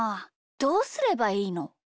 どうすればいいの？